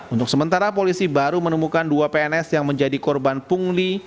untuk sementara polisi baru menemukan dua pns yang menjadi korban pungli